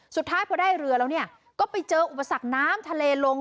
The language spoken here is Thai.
สุดท้ายพอได้เรือแล้วเนี่ยก็ไปเจออุปสรรคน้ำทะเลลง